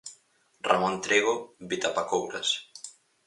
Ramón Trigo "Vitapakouras".